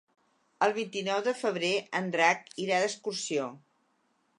El vint-i-nou de febrer en Drac irà d'excursió.